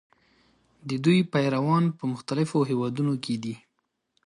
د دوی پیروان په مختلفو هېوادونو کې دي.